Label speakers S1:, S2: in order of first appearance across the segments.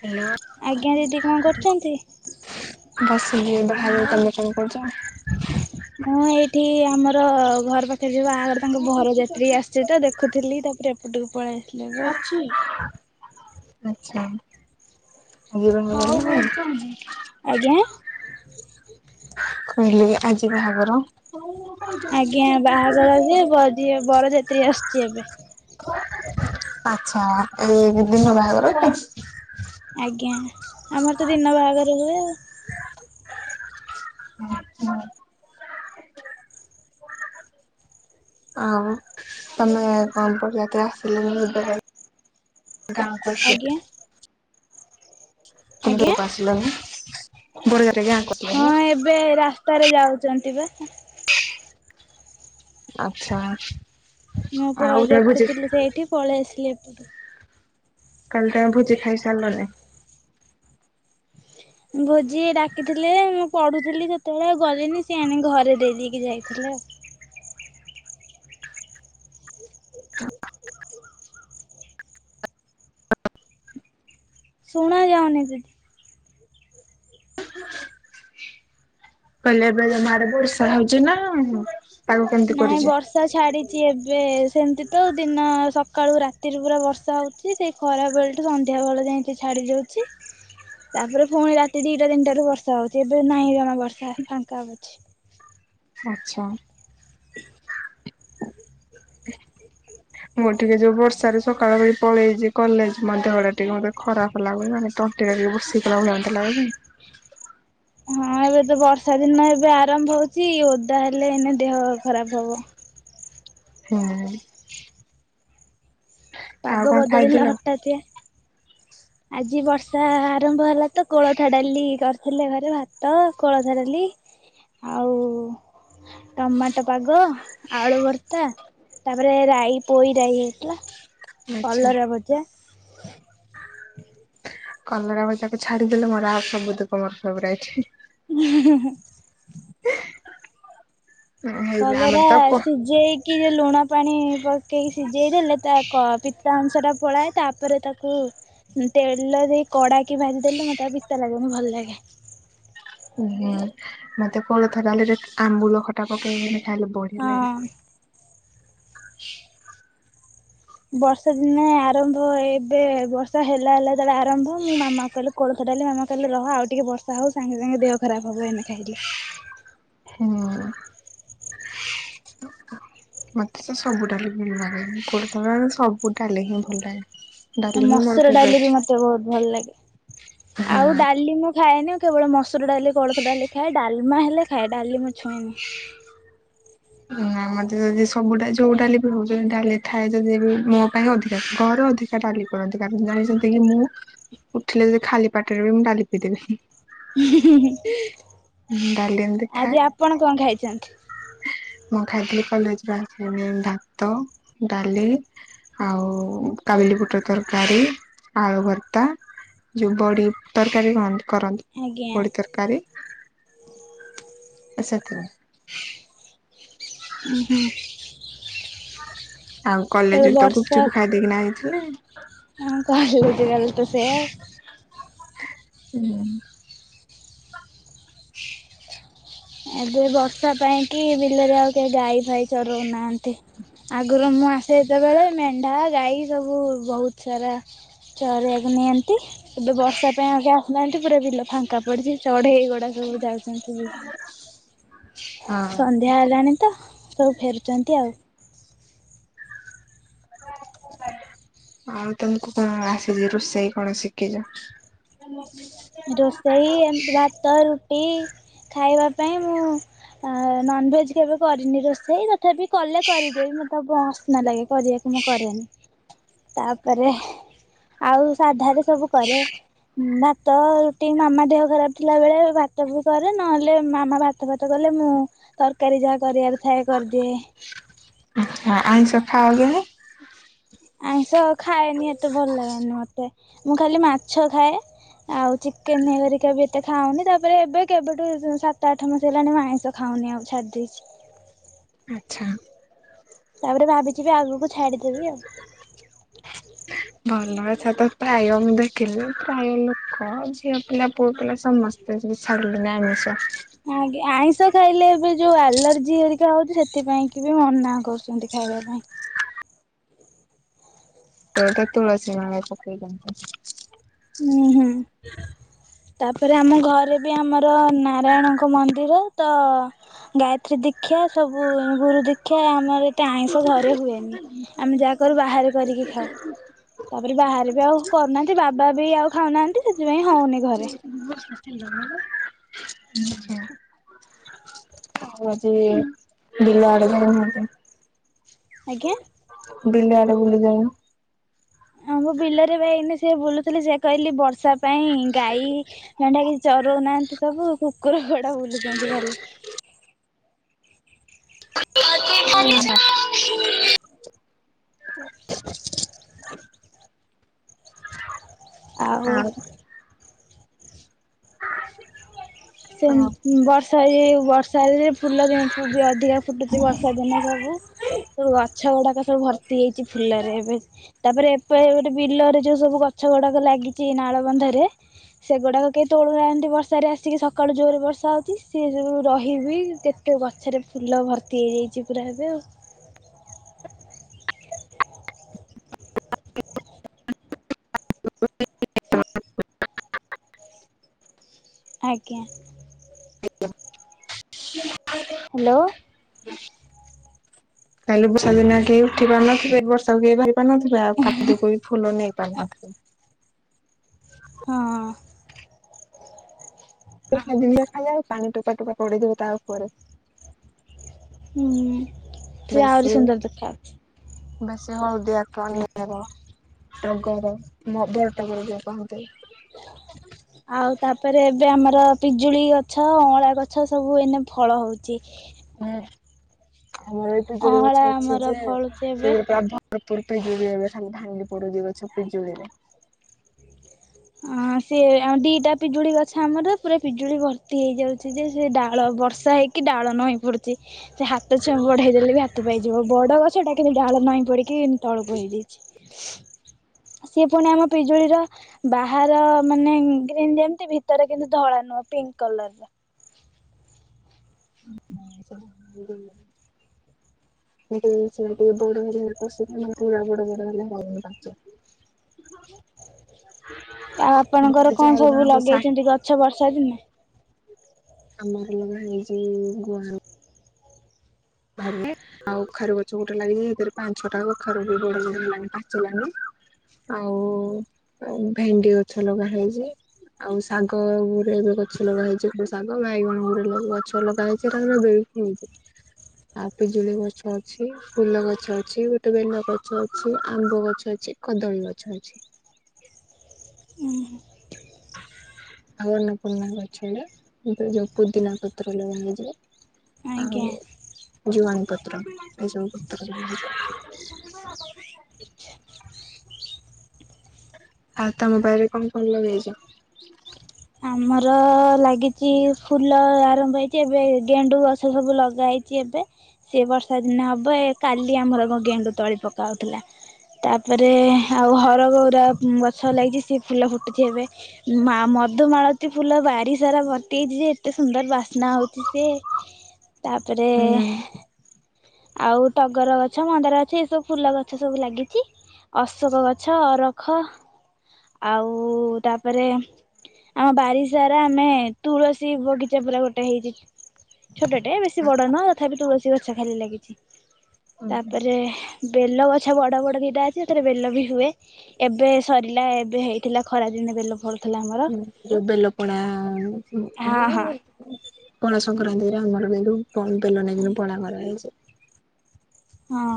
S1: Hello
S2: ଆଜ୍ଞା ଦିଦି କଣ କରୁଛନ୍ତି?
S1: [inaudible] ବାସିଲି ବାହାରେ ତମେ ଯଉ କାମ କରିଛ।
S2: ମୁଁ ଏଇଠି ଆମର ଘର ପାଖରେ ଯଉ ବାହାଘର ତାଙ୍କ ଘର ବରଯାତ୍ରୀ ଆସିଛି ତ ଦେଖୁଚି। ଦେଖୁଥିଲି ତାପରେ ଏପଟକୁ ପଳେଆ
S1: ଅଛି। ଆଚ୍ଛା [unintelligible]
S2: ଆଜ୍ଞା।
S1: କହିଲି କି ଆଜି ବାହାଘର।
S2: ଆଜ୍ଞା ବାହାଘର ଯେ ବରଯାତ୍ରୀ ଆସୁଛି ଏବେ।
S1: ଆଛା ଏଇ ଦିନ ବାହାଘର କି?
S2: ଆଜ୍ଞା ଆମର ତ ଦିନ ବାହାଘର ହୁଏ।
S1: ଆଛା। ଆଉ ତମେ କଣ ପଢିକି ଆସିଲେ ମୁ [unintelligible] ଗାଁ କୁ ଆସିବାର
S2: ଆଜ୍ଞା
S1: ଥିଲା। ତୁ
S2: ଆଜ୍ଞା
S1: ଘରକୁଆସିଲାନିବରଯାତ୍ରୀ ରେ ଗାଁକୁଆସିଲାନି।
S2: ହଁ ଏବେ ରାସ୍ତାରେ ଯାଉଛନ୍ତି ବା
S1: ଆଚ୍ଛା।
S2: ମୁଁ ପ
S1: ଆଉ ତମେ ଭୋଜି
S2: ଦେଖୁଥିଲି ଏଇଠି ପଳେଇ ଆସିଲି।
S1: କାଲି ତମେ ଭୋଜି ଖାଇ ସାରିଲନି।
S2: ଭୋଜି ଡାକିଥିଲେ ମୁଁ ପଢୁଥିଲି ଯେତେବେଳେ ଗଲିନି ସିଏ ଆଣିକି ଘରେ ଦେଇ ଦେଇକି ଯାଇଥିଲେ ଶୁଣ ଯାାଉନି ଦି
S1: କହିଲି ଏବେ ତମ ଆଡେ ବର୍ଷା ହଉଛି ନା ହୁଁ।
S2: ନାଇଁ ବର୍ଷ ବର୍ଷା ଛାଡିଛି ଏବେ ସେମିତି ତ ଦିନ ସକାଳୁ ରାତିରୁ ପୁରା ବର୍ଷା ହଉଛି। ଛି ସେଇ ଖରାବେଳ ଠୁ ସନ୍ଧ୍ୟା ବେଳେ ଯାଏ ଟିକେ ଛାଡି ଯାଉଛି। ତାପରେ ପୁଣି ରାତି ଦିଟା ତିନିଟାରୁ ବର୍ଷା ହଉଛି ଏବେ ନାଇଁ ଜମା ବର୍ଷା ଫାଙ୍କା। ଅଛି।
S1: ଆଚ୍ଛା। [unintelligible] ମୁଁ ଟିକେ ଯୋଉ ବର୍ଷାରେ ସକାଳ ବେଳି ପଳେଇଛି କଲେଜ ମୋ ଦେହଟା ଟିକେ ମତେ ଖରାପ। ଲାଗୁନି ମାନେ ତଣ୍ଟିଟା ଟିକେ ବସିଗଲା ଭଳିଆ ମୋତେଲାଗୁଛି।
S2: ହଁ ଏବେ ତ ବର୍ଷା ଦିନ ଏବେ ଆରମ୍ଭ ହଉଛି ଓଦା ହେଲେ ଏଇନେ ଦେହ ଖରାପ ହବ।
S1: ହୁଁ। ଆଉ
S2: ପାଗ
S1: କଣ
S2: ବଦଳିଲା
S1: ଖାଇଥିଲ?
S2: ହଠାତିଆ ଆଜି ବର୍ଷା ଆରମ୍ଭ ହେଲା ତ କୋଳଥା ଡାଲି କରିଥିଲେ ଘରେ ଭାତ କୋଳଥା ଡାଲି। ଆଉ ଟମାଟୋ ପାଗ। ଆଳୁ ଭର୍ତ୍ତା ତାପରେ ରାଇ ପୋଇ ରାଇ ହେଇଥିଲା
S1: ଆଚ୍ଛା
S2: କଲରା ଭଜା। [unintelligible]
S1: କଲରା ଭାଜାକୁ ଛାଡିଦେଲେ ମୋର ଆଉ ସବୁ ତ ମୋର ଫେବରାଇଟ।
S2: ହୁଁ ହୁଁ ହୁଁ।
S1: ହେଇ ଆମର
S2: କଲରା
S1: ତ କ
S2: ସିଝେଇକି? କି ଯେ ଲୁଣ ପାଣି ପକେଇକି ସିଝେଇ ଦେଲେ ତା ପିତା ଅଂଶ ଟା ପଳାଏ ତାପରେ ତାକୁ। ତେଲ ଦେଇ କଡା କି ଭାଜି ଦେଲେ ମତେ ଆଉ ପିତା ଲାଗିବନି ଭଲ ଲାଗେ।
S1: ଓ ହ ମତେ କୋଳଥ ଡାଲିରେ ଆମ୍ବୁଲ ଖଟା ପକେଇକି ଖାଇଲେ ବଢିଆ ଲାଗେ।
S2: ହଁ
S1: [unintelligible]
S2: ବର୍ଷା ଦିନେ ଆରମ୍ଭ ଏବେ ବର୍ଷା ହେଲା ହେଲା ଯେତେବେଳେ ଆରମ୍ଭ ମୁଁ ମାମା କହିଲି କୋଳଥ ଡାଲି ମାମା କହିଲେ ରହ ଟିକେ ବର୍ଷା ହଉ ସାଙ୍ଗେ ସାଙ୍ଗେ ଦେହ ଖରାପ ହବ ଏନେ ଖାଇଲେ
S1: ହୁଁ। ମତେ ତ ସବୁଠାରୁ ଭଲ ଲାଗେ କୋଳଥ ଡାଲି ସବୁଡାଲିହିଁ ଭଲ ଲାଗେ। ଡାଲି ହିଁ ମୋର
S2: ମସୁର ଡାଲି
S1: ଫେବରାଇଟ୍।
S2: ବି ମତେ ବହୁତ ଭଲ ଲାଗେ ଆଉ
S1: ହୁଁ।
S2: ଡାଲି ମୁଁ ଖାଏନି। କେବଳ ମସୁର ଡାଲି କୋଳଥ ଡାଲି ଖାଏ ଡାଲମା ହେଲେ ଖାଏ ଡାଲି ମୁ ଛୁଏଁନି।
S1: [unintelligible] ନା ମତେ ଯଦି ସବୁଟା ଯୋଉ ଡାଲି ବି ହଉ ଯଦି ଡାଲି ଥାଏ ଯଦି ବି ମୋ ପାଇଁ ଅଧିକା। କର ଅଧି ଡାଲି କରନ୍ତି। କାରଣ ଜାଣିଛନ୍ତି କି ମୁଁ ଉଠିଲେ ଯେ ଖାଲି ପାଟିରେ ବି ମୁଁ ଡାଲି ପିଇଦେବି। ଡାଲି ଏମିତି ଖାଏ
S2: ଆଜି ଆପଣ କଣ ଖାଇଛନ୍ତି?
S1: ମୁଁ ଖାଇଥିଲି କଲେଜରୁ ଆସିକିନି ଭାତ, ଡାଲି ଆଉ କାବିଲିବୁଟ ତରକାରୀ, ଆଳୁ ଭର୍ତ୍ତା ଯୋଉ ବଡି ତରକାରୀ କରନ୍ତି
S2: ଆଜ୍ଞା
S1: ବଡି ତରକାରୀ [unintelligible]
S2: ଉଁ ହୁଁ।
S1: ଆଉ
S2: ଏବେ
S1: କଲେଜ ରେ ତ
S2: ବର୍ଷା
S1: ଗୁପଚୁପ ଖାଇ ଦେଇକିନା ଆଇଥିଲେ।
S2: ହଁ କଲେଜ୍ ଗଲେ ତ ସେଇୟା।
S1: ଉଁ। [inaudible]
S2: ଏବେ ବର୍ଷା ପାଇଁ କି ବିଲରେ ଆଉ କେହି ଗାଈ ଫାଇ ଚରଉନାହାନ୍ତି। ଆଗରୁ ମୁଁ ଆସେ ଯେତେବେଳେ ମେଣ୍ଢା, ଗାଈ ସବୁ ବହୁତ୍ ସାରା ଚରେଇବାକୁ ନିଅନ୍ତି। ଏବେ ବର୍ଷା ପାଇଁ ଆଉ କେହି ଆସୁନାହାନ୍ତି ପୁରା ବିଲ ଫାଙ୍କା ପଡିଚି, ଚଢେଇଗୁଡା ସବୁ ଯାଉଛନ୍ତି।
S1: ହଁ।
S2: ସନ୍ଧ୍ୟା ହେଲାଣି ତ ସବୁ ଫେରୁଛନ୍ତି ଆଉ।
S1: [unintelligible] ଆଉ ତମକୁ କଣ ଆସିଚି ରୋଷେଇ କଣ ଶିଖିଚ?
S2: ରୋଷେଇ ଏମତି ଭାତ ରୁଟି ଖାଇବା ପାଇଁ ମୁଁ ନନଭେନ୍ କେବେ କରିନି ରୋଷେଇ ତ ତଥାପି କଲେ କରିଦେବି। ମତେ ବ ଅସନା ଲାଗେ କରିବାକୁ ମୁଁ କରେନି। ତାପରେ ଆଉ ସାଧା ରେ ସବୁ କରେ। ଭା ତ ରୁଟି ମାମା ଦେହ ଖରାପ ଥିଲା ବେଳେ ଭାତ ମୁଁ କରେ, ନହେଲେ ମାମା ଭାତ ଫାତ କଲେ ମୁଁ ତରକାରୀ ଯାହା କରିବାର ଥାଏ କରିଦିଏ।
S1: ଆଚ୍ଛା ଆଇଁଷ ଖାଓ କି ନାଇଁ?
S2: ଆଇଁଷ ଖାଏନି ଏତେ ଭଲ ଲାଗେନି ମତେ। ମୁଁ ଖାଲି ମାଛ ଖାଏ। ଆଉ ଚିକେନ ହେରିକା ବି ଏତେ ଖାଉନି। ତାପରେ ଏବେ କେବେଠୁ ସାତ ଆଠ ମାସ ହେଲାଣି ମୁଁ ଆଇଁଷ ଖାଉନି ଆଉ ଛାଡିଦେଇଚି।
S1: ଆଚ୍ଛା।
S2: ତାପରେ ଭାବିଚି ବି ଆଗକୁ ଛାଡ଼ିଦେବି ଆଉ।
S1: [inaudible] ଭଲ। ଏଥର ତ ପ୍ରାୟ ମୁଁ ଦେଖିଲି ପ୍ରାୟ ଲୋକ ଝିଅ ପିଲା ପୁଅ ପିଲା ସମ ସ୍ତେ ବି ଛାଡ଼ିଲେଣି ଆମିଷ।
S2: ଆଜ୍ଞା। ଆଇଁଷ ଖାଇଲେ ଏବେ ଯୋଉ ଆଲର୍ଜି ହେରିକା ହଉଚି ସେଥିପାଇଁ କି ବି ମନା କରୁଛନ୍ତି ଖାଇବା ପାଇଁ।
S1: ସେ ଗୋଟେ ତୁଳସୀ ମାଳ ପକେଇଛନ୍ତି।
S2: ଉଁ ହୁଁ। ତାପରେ ଆମ ଘରେ ବି ଆମର ନାରାୟଣଙ୍କ ମନ୍ଦିର ତ ଗାୟତ୍ରୀ ଦୀକ୍ଷା ସବୁ ଗୁରୁ ଦୀକ୍ଷା ଆମର ଏତେ ଆଇଁଷ ଘରେ ହୁଏନି। ଆମେ ଯାହା କରୁ ବାହାରେ କରିକି ଖାଉ। ତାପରେ ବାହାରେ ବି ଆଉ କରୁନାହାନ୍ତି। ବାବା ବି ଆଉ ଖାଉନାହାନ୍ତି। ସେଥିପାଇଁ ହଉନି ଘରେ
S1: [unintelligible] ଆଉ ଆଜି ବିଲଆଡେ ଯାଇନାହାନ୍ତି?
S2: ଆଜ୍ଞା?
S1: ବିଲିଆଡେ ବୁଲି ଯାଉନ?
S2: ହଁ ବା ବିଲରେ ବା ଏଇନା ସେ ବୁଲୁଥିଲି ସେ କହିଲି ବର୍ଷା ପାଇଁ ଗାଈ [unintelligible] କିଛି ଚରଉନାହାନ୍ତି ସବୁ କୁକୁର ଗୋଡା ବୁଲୁଛନ୍ତି ଖାଲି।
S1: ଆା [unintelligible]
S2: ହଁ [unintelligible] ଆଉ। ସେ
S1: ଆଉ
S2: ବର୍ଷା ଏ ବର୍ଷ ରେ [unintelligible] ଫୁଲ ଅଧିକା ଫୁଟୁଛି ବର୍ଷା ଦିନେ ସବୁ ସବୁ ଗଛ ଗୁଡାକ ସବୁ ଭର ଭର୍ତି ହେଇଛି ଫୁଲରେ ଏବେ ତାପରେ ଏପ ଗୋଟେ ବିଲରେ ଯୋଉ ସବୁ ଗଛ ଗୁଡାକ ଲାଗିଛି ନାଳବନ୍ଧରେ ସେଗୁଡାକ କେହି ତୋଳୁନାହାନ୍ତି ବର୍ଷାରେ ଆସିକି ସ ସକାଳୁ ଜୋରରେ ବର୍ଷା ହେଉଛି ସେ ସବୁ ରହିବି କେତେ ଗଛରେ ଫୁଲ ଭର୍ତ୍ତି ହେଇଯାଇଛି ପୁରା ଏବେ ଆଉ।
S1: [unintelligible]
S2: ଆଜ୍ଞା।
S1: ଆଜ୍ଞା [unintelligible]
S2: ହ୍ୟାଲୋ।
S1: [inaudible] କାଲି ବର୍ଷା ଦିନ କେହି ଉଠି ପାରୁନଥିବେ ବର୍ଷାକୁ କେ ପାରୁ ନଥିଲା ଆଉ ଖାଦ୍ୟକୁ ବି ଫୁଲ ନେଇ ପାରୁନଥିଲା।
S2: ହଁ।
S1: ଏଇ କ୍ଷୀଣା ବିଲରେ ଖାଲ ପାଣି ଟୋପା ଟୋପା ପଡିଥିବ ତା ଉପରେ।
S2: ହୁଁ ସେ ଆହୁରି
S1: ବେଶୀ
S2: ସୁନ୍ଦର ଦେଖିଉଛି।
S1: ବେଶୀ ହଳଦିଆ କନି କେବଳ। ଟଗର ମଦର ଟଗର ଯୋଉ କହନ୍ତି।
S2: ଆଉ ତାପରେ ଏବେ ଆମର ପିଜୁଳି ଗଛ, ଅଁଳା ଗଛ ସବୁ ଏନେ ଫଳ ହଉଛି।
S1: ହୁଁ ଆମର ଏଟୁ ପିଜୁଳି
S2: ଅଁଳା
S1: ଗଛ ଅଛି
S2: ଆମର
S1: ଯେ
S2: ଫଳୁଛି
S1: ସେ
S2: ଏବେ।
S1: ପ୍ରାଭ ଭରପୁର ପିଜୁଳି ଏବେ [unintelligible] ପଡୁଚି ଗଛ ପିଜୁଳିରେ।
S2: ହଁ ସେ ଆ ଦି ଟା ପିଜୁଳି ଗଛ ଆମର ପୁରା ପିଜୁଳି ଭର୍ତ୍ତି ହେଇଯାଉ ଛି [unintelligible] ଯେ ସେ ଡାଳ ବର୍ଷା ହେଇକି ଡାଳ ନଈ ପଡୁଛି ସେ ହା ହ ଛୁଆକୁ ବଢ଼େଇ ଦେଲେ ବି ହାତ ପାଇଯିବ ବଡ଼ ଗଛ ଏଟା କିନ୍ତୁ ଡାଳ ନହିଁ ପଡ଼ିକି ତଳକୁ ହେଇଯାଇଛି। ସିଏ ପୁଣି ଆମ ପିଜୁଳିର ବାହାର ମାନେ ଗ୍ରୀନ ଯେମିତି ଭିତରେ କିନ୍ତୁ ଧଳା ନୁହଁ ପିଙ୍କ କଲର ର।
S1: ହଁ [unintelligible] ଏଇଟି ସେଇଟି ବଡ [unintelligible] ବଡହେଲେ ଭଲ ପାଚେ। ହଁ [unintelligible]
S2: ଆଉ ଆପଣଙ୍କର କଣ ସବୁ
S1: ଜଣଙ୍କ ସା
S2: ଲଗେଇଛନ୍ତି ଗଛ ବର୍ଷା ଦିନେ?
S1: ଆମର ଲଗା ହେଇଛି ଗୁଆର ଭାଗେ ଆଉ କଖାରୁ ଗଛ ଗୋଟେ ଲାଗିଛିରେ ତାର ପାଞ୍ଚ ଛଟା କଖାରୁ ବଡ ହଇଗଲାଣି ପାଚିଲାଣି। ଆଉ ଭେଣ୍ଡି ଗଛ ଲଗା ହେଇଛି। ଆଉ ଶାଗ ଗୋଟେ ଏବେ ଗଛ ଲଗା ହେଇଛି ଗୋଟେ ଶାଗ ବାଇଗଣ ଗୋଟେ ଗଛ ଲଗା ହେଇଛି [unintelligible] ହୁଁ [unintelligible] ଆଉ ପିଜୁଳି ଗଛ ଅଛି। ଫୁଲ ଗଛ ଅଛି, ଗୋଟେ ବେଲ ଗଛଅଛି, ଆମ୍ବ ଗଛ ଅଛି, କଦଳୀ ଗଛ ଅଛି।
S2: ଉହୁଁ।
S1: ଆବରଣ ପୂର୍ଣା ଗଛ ଟା ଯଉ ଥିରେ ଯୋଉ ପୋଦିନାପତ୍ର ଲଗାଇଛି। ଆଉ
S2: ଆଜ୍ଞା।
S1: ଜୁଆଣିପତ୍ର ଏ ସବୁ ପତ୍ର ଲାଗି ଆଉ ତମ ବାଇରେ କଣ କଣ ଲଗେଇଚ?
S2: ଆମର ଲାଗିଚି ଫୁଲ ଆରମ୍ଭ ହେଇଚି। ଏବେ ଗେଣ୍ଡୁ ଗଛ ସବୁ ଲଗା ହେଇଚି ଏବେ। ଏ ବର୍ଷା ଦିନ ହବ। କାଲି ଆମର ଗେଣ୍ଡୁ ତଳି ପକାହୋଉଥିଲା। ତାପରେ ଆଉ ହରଗୌରା ଗଛ ଲାଗିଚି ଫୁଲ ଫୁଟୁଚି ଏବେ। ମା ମଧୁମାଳ ଏତେ ଫୁଲ ବାଡିସାରା ଭର୍ତ୍ତି ହେଇଚି ଯେ ଏତେ ସୁନ୍ଦର ବାସ୍ନା ହୋଉଚି ସେ। ତାପରେ ଆଉ ଟଗର ଗଛ ମନ୍ଦାର ଗଛ ଏସବୁ ଫୁଲ ଗଛ ସବୁ ଲାଗିଚି। ଅଶୋକ ଗଛ ଅରଖ ଆଉ ତାପରେ ଆମ ବାରିସାରା ଆମେ ତୁଳସୀ ବଗିଚା ପୁରା ଗୋଟେ ହେଇଚି। ଛୋଟଟେ ବେଶୀ ବଡ ନୁହଁ। ତଥାପି ତୁଳସୀ ଗଛ ଖାଲି ଲାଗିଚି।
S1: ହୁଁ
S2: ତାପରେ ବେଲ ଗଛ ବଡ ବଡ ଦିଟା ଅଛି। ହେଥିରେ ବେଲ ବି ହୁଏ। ଏବେ ସରିଲା ଏ ଏବେହେଇଥିଲା ଖରା ଦିନେ ବେଲ ଫଳୁ
S1: ହଁ ଯୋଉ ବେଲ ପଣା [unintelligible]
S2: ହଁ ହଁ
S1: ପଣା ସଂକ୍ରାନ୍ତିରେ ଆମର ନେଲୁ ପ ବେଲ ନେଇକି ପଣା କରାହେଇଚି।
S2: ହଁ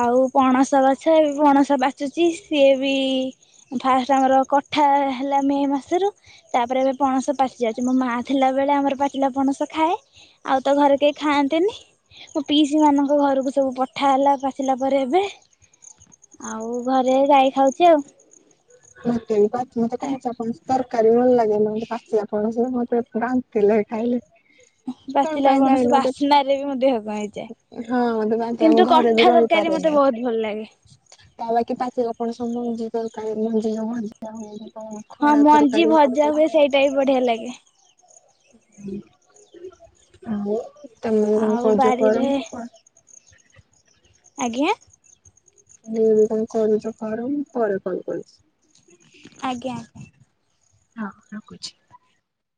S2: ଆଉ ପଣସ ଗଛ ଏ ପଣସ ପାଚୁଚି। ସିଏ ବି ଫାଷ୍ଟେ ଆମର କଠା ହେଲା ମେ ମାସରୁ ତାପରେ ଏବେ ପଣସ ପାଚିଯାଉଚି। ମୋ ମା ଥିଲାବେଳେ ଆମର ପାଚିଲା ପଣସ ଖାଏ। ଆଉ ତ ଘରେ କେହି ଖାଆନ୍ତିନି ମୋ ପିଇସି ମାନଙ୍କ ଘରକୁ ଯୋଉ ପଠା ହେଲା ପାଚିଲା ପରେ ଏବେ ଆଉ ଘରେ ଗାଈ ଖାଉଚି ଆଉ।
S1: ଟେନ ପାଞ୍ଚେ କମ୍ ସେ କମ୍ ଚାର୍ ପାଞ୍ଚେ। ତରକାରୀ ଭଲ ଲାଗେନି। ମୋତେ ପାଚିଲାପଣସ ମତେ ବାନ୍ତିଲାଗେ ଖାଇଲେ। କଣ
S2: ବାଚିଲା
S1: ପାଇଁ
S2: ପଣସ
S1: ଜାଣିନି ମତେ
S2: ବାସ୍ନା ରେ ବି ମୋ ଦେହକଣ
S1: ହଁ ତ
S2: ହେଇଯାଏ।
S1: ବାନ୍ତି ଆମ
S2: କିନ୍ତୁ
S1: ଘରେ ବି
S2: କଠା ରେ ତରକାରି ମତେ
S1: ରହିପାରେନି।
S2: ବହୁତ୍ ଭଲ ଲାଗେ।
S1: ତା ବାକି ପାଚିଲା ପଣସ ମଞି ତକା ମଞ୍ଜିଅ [unintelligible]
S2: ହଁ ମଞ୍ଜି ଭଜା ହୁଏ ସେଇଟା ବି ବଢିଆ ଲାଗେ।
S1: ମୁଁ ତେମେ କଣ
S2: ଆଉ
S1: କହିଚ ପର
S2: ବାରିରେ
S1: ମୁଁ
S2: ଆଜ୍ଞା।
S1: ହୁଁ କଣ କରୁଚ କର ମୁଁ ପରେ କଲ୍ କରୁଚି।
S2: ଆଜ୍ଞା।
S1: ହଁ ରଖୁଛି।